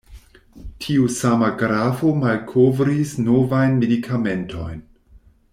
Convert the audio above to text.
Tiu sama grafo malkovris novajn medikamentojn.